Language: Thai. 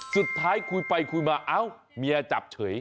สุดท้ายคุยไปคุยมาเอ้าเมียจับเฉย